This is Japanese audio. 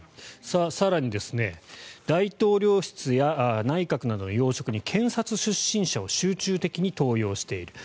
更に、大統領室や内閣などの要職に検察出身者を集中的に登用している。